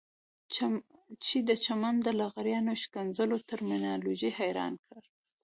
چې د چمن د لغړیانو ښکنځلو ترمینالوژي حيرانه کړه.